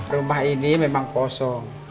rumah ini memang kosong